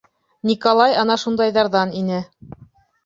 Николай ана шундайҙарҙан ине.